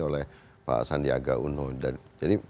banyaknya undangan yang harus dipenuhi